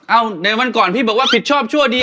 แล้วไหนวันนี้ต้องพูดกันอีก